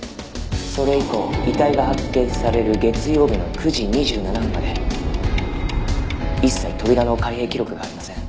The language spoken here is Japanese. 「それ以降遺体が発見される月曜日の９時２７分まで一切扉の開閉記録がありません」